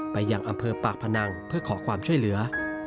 ยังอำเภอปากพนังเพื่อขอความช่วยเหลือ